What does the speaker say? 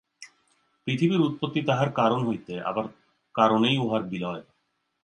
পৃথিবীর উৎপত্তি তাহার কারণ হইতে, আবার কারণেই উহার বিলয়।